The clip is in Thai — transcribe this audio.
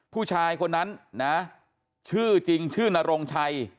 ผู้ชายคนนั้นนะชื่อจริงชื่อนรงชัย